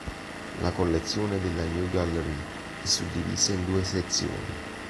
La collezione della Neue Galerie è suddivisa in due sezioni.